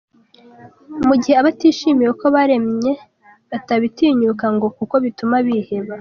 Mu gihe abatishimiye uko baremye batabitinyuka ngo kuko bituma biheba.